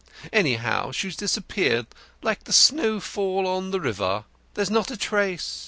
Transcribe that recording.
Anyhow, she's disappeared, like the snowfall on the river. There's not a trace.